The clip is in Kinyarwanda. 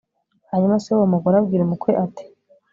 hanyuma se w'uwo mugore abwira umukwe we, ati